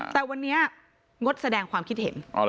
แต่วันนี้งดแสดงความคิดเห็น